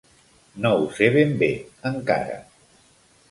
No ho sé ben bé, encara.